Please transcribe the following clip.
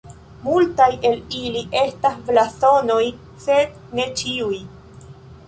Multaj el ili estas blazonoj, sed ne ĉiuj.